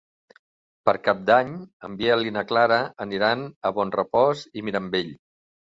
Per Cap d'Any en Biel i na Clara aniran a Bonrepòs i Mirambell.